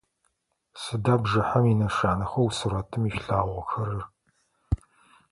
Сыда бжыхьэм инэшанэхэу сурэтым ишъулъагъохэрэр?